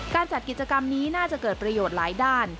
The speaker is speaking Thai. การจัดกิจกรรมนี้น่าจะเกิดประโยชน์หลายด้าน